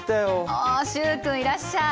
あ習君いらっしゃい！